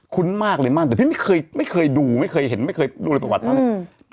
คุ้นมากเลยมั่นแต่พี่ไม่เคยไม่เคยดูไม่เคยเห็นไม่เคยดูเลยประวัติอะไร